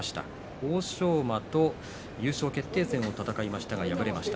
欧勝馬と優勝決定戦を戦いましたが敗れました。